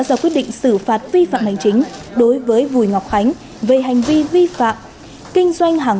ra quyết định xử phạt vi phạm hành chính đối với vùi ngọc khánh về hành vi vi phạm kinh doanh hàng